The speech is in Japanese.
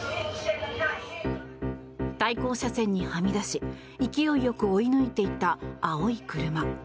対向車線にはみ出し勢いよく追い抜いて行った青い車。